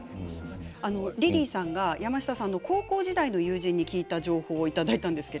リリーさんが山下さんの高校時代の友人に聞いた情報をいただきました。